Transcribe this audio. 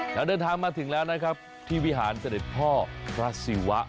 นักเดินทางมาถึงแล้วนะครับที่วิหารเศรษฐพลัชฌิวะ